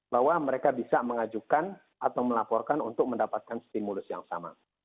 bahwa mereka bisa mengajukan atau melaporkan untuk mendapatkan stimulus yang sama